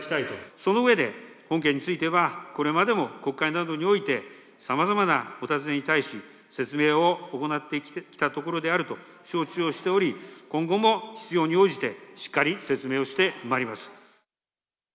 その上で、本件については、これまでも国会などにおいて、さまざまなお尋ねに対し、説明を行ってきたところであると承知をしており、今後も必要に応じて、しっかり説明をしてまいります。